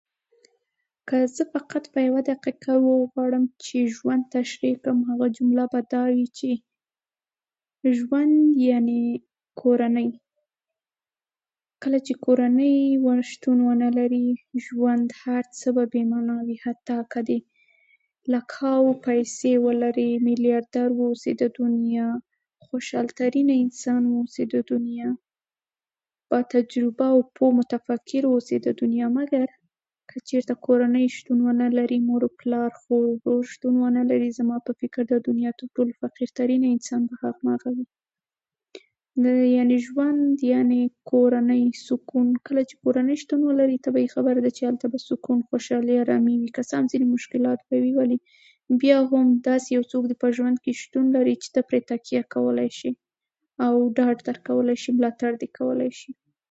که زه فقط په یوه دقیقه کې وغواړم چې ژوند تشریح کړم، نو هغه جمله به دا وي چې ژوند یعنې کورنۍ. کله چې کورنۍ شتون ونه لري، ژوند، هر څه به بې معنا وي. حتی د لکاوو پیسې ولرې، میلیاردر واوسې، د دنیا خوشحال‌ترین انسان واوسې، د دنیا باتجربه او پوه متفکر واوسې، مګر که چېرته کورنۍ شتون ونه لري، مور او پلار، خور او ورور شتون ونه لري، زما په فکر د دنیا تر ټولو فقیرترینه انسان به هغه وي. نو ژوند یعنې کورنۍ، سکون. کله چې کورنۍ شتون ولري، طبیعي خبره ده چې هلته به سکون، خوشحالي او ارامي، که څه هم ځینې مشکلات به وي، ولې بیا هم داسې یو څوک په ژوند کې شتون لري چې ته پرې تکیه کولای شې، او داد درکولی شي، ملاتړ دې کولای شي.